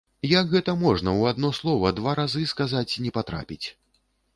Як гэта можна ў адно слова два разы сказаць не патрапіць?